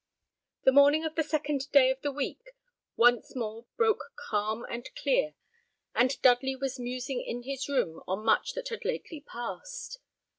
The morning of the second day of the week once more broke calm and clear, and Dudley was musing in his room on much that had lately passed.